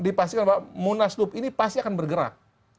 dipastikan bahwa munaslup ini pasti akan bergerak